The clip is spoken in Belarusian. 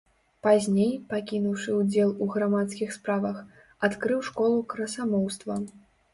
Пазней, пакінуўшы ўдзел у грамадскіх справах, адкрыў школу красамоўства.